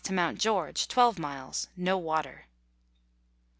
to Mount George, 12 miles. No water.